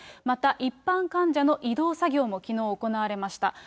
また、一般患者の移動作業もきのう行われました。